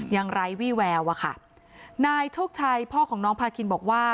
ไร้วี่แววอะค่ะนายโชคชัยพ่อของน้องพาคินบอกว่า